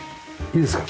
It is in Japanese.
いいですか？